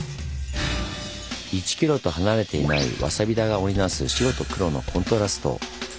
１ｋｍと離れていないわさび田が織り成す白と黒のコントラスト。